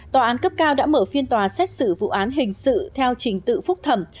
tòa án cấp cao đã mở phiên tòa xét xử vụ án hình sự theo trình tự phúc thẩm